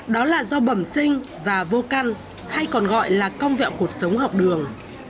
đó là do bẩm sinh và vô căn hay còn gọi là cong vẹo cuộc sống học đường